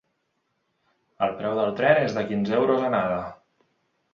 El preu del tren és de quinze euros anada.